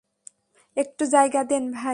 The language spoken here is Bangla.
একটু জায়গা দেন, ভাই।